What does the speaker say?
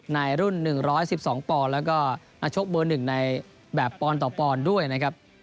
ในรุ่น๑๑๒ปอนด์แล้วก็นักชกเบอร์๑ในแบบปอนต่อปอนด์ด้วยนะครับ